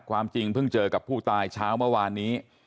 ความจริงเพิ่งเจอกับผู้ตายเช้าเมื่อวานนี้